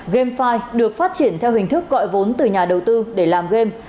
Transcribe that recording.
game được phát triển theo hình thức gọi vốn từ nhà đầu tư để làm game